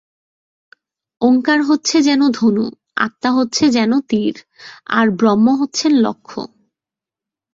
ওঙ্কার হচ্ছে যেন ধনু, আত্মা হচ্ছে যেন তীর, আর ব্রহ্ম হচ্ছেন লক্ষ্য।